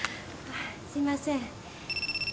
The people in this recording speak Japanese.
すいません。